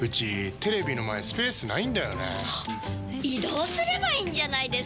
移動すればいいんじゃないですか？